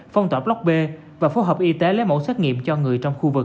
phong tỏa block b và phối hợp y tế lấy mẫu xét nghiệm cho người trong khu vực